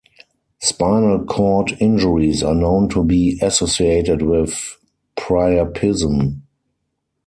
Spinal cord injuries are known to be associated with priapism.